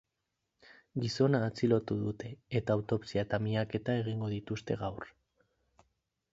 Gizona atxilotu dute, eta autopsia eta miaketa egingo dituzte gaur.